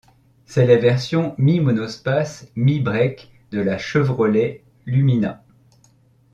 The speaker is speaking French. C'est la version mi-monospace mi-break de la Chevrolet Lumina.